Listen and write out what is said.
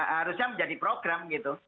harusnya menjadi program gitu